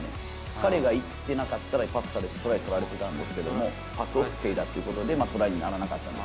彼がいってなかったら、パスされてトライ取られていたんですけど、パスを防いだっていうことで、トライにならなかった。